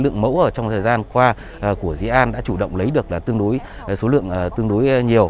lượng mẫu ở trong thời gian qua của dĩ an đã chủ động lấy được là tương đối số lượng tương đối nhiều